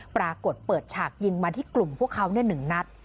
ปรากฏเปิดฉากยิงมาที่กลุ่มพวกเขา๑นัด